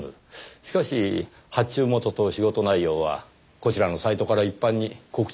しかし発注元と仕事内容はこちらのサイトから一般に告知されるのではありませんか？